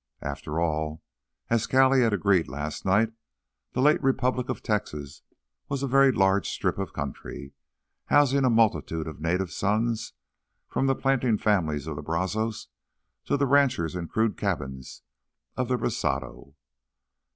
After all, as Callie had agreed last night, the late Republic of Texas was a very large strip of country, housing a multitude of native sons, from the planting families of the Brazos to the ranchers in crude cabins of the Brasado.